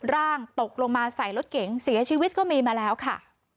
ร่างตกลงมาใส่รถเก๋งเสียชีวิตก็มีมาแล้วค่ะ